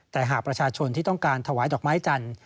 แต่หากประชาชนที่ต้องการถวายดอกไม้จันทร์